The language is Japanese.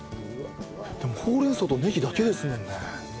でもほうれん草とネギだけですもんね。